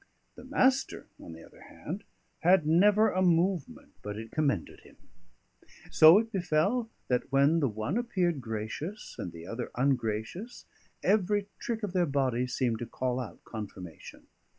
The Master (on the other hand) had never a movement but it commended him. So it befell that when the one appeared gracious and the other ungracious, every trick of their bodies seemed to call out confirmation.